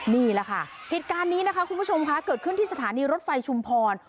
นี่แหละค่ะเหตุการณ์นี้นะคะคุณผู้ชมค่ะเกิดขึ้นที่สถานีรถไฟชุมพร